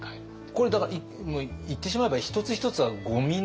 これだから言ってしまえば一つ一つはごみの更にごみ。